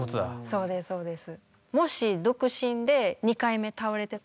そうですそうです。